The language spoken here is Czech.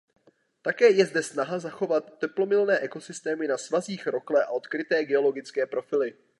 Také je zde snaha zachovat teplomilné ekosystémy na svazích rokle a odkryté geologické profily.